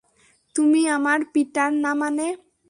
তুমি আমার পিটার না মানে?